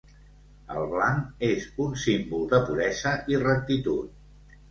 El blanc és un símbol de puresa i rectitud.